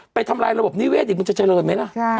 ทำลายระบบนิเวศอีกมันจะเจริญไหมล่ะ